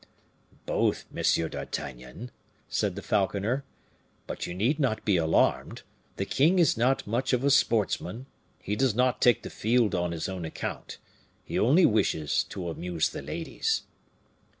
"Both, Monsieur d'Artagnan," said the falconer; "but you need not be alarmed; the king is not much of a sportsman; he does not take the field on his own account, he only wishes to amuse the ladies."